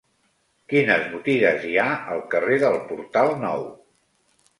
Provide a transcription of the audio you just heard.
Quines botigues hi ha al carrer del Portal Nou?